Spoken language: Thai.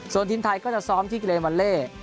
ส่วนทีมไทยก็จะซ้อมที่เกรวาเล่